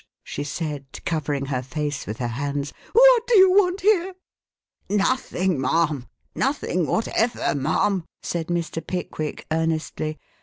she said, covering her face with her hands. "What do you want here?" "Nothing, ma'am nothing whatever, ma'am," said Mr. Pickwick earnestly.